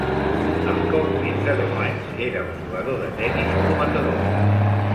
Amb poc més de deu anys era un jugador de tenis prometedor.